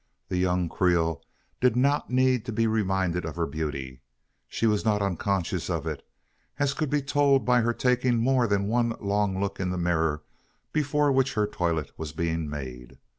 The young Creole did not need to be reminded of her beauty. She was not unconscious of it: as could be told by her taking more than one long look into the mirror before which her toilet was being made.